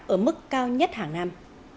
ở mức cao nhất hàng năm